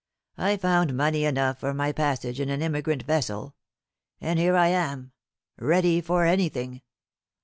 I found money enough for my passage in an emigrant vessel; and here I am, ready for anything.